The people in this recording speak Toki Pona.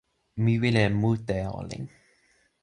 mi wile mute e olin.